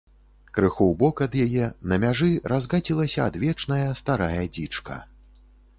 Крыху ў бок ад яе, на мяжы, разгацілася адвечная, старая дзічка.